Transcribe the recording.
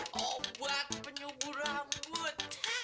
hai obat penyumbur rambut